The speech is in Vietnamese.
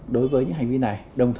đối với những hành vi này